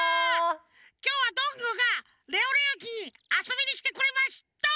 きょうはどんぐーがレオレオ駅にあそびにきてくれました！